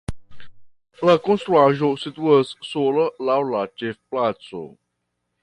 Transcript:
La konstruaĵo situas sola laŭ la ĉefplaco.